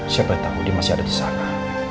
siapa tahu dia masih ada di sana